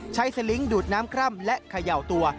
สลิงค์ดูดน้ำคร่ำและเขย่าตัว